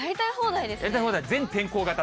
やりたい放題、全天候型。